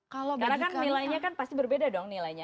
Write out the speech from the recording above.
karena kan nilainya kan pasti berbeda dong nilainya